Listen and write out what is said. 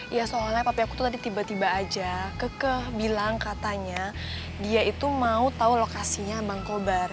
iya soalnya papi aku tadi tiba tiba aja kekeh bilang katanya dia itu mau tau lokasinya bang kobar